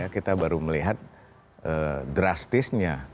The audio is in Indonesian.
kita baru melihat drastisnya